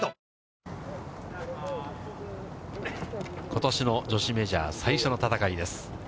ことしの女子メジャー、最初の戦いです。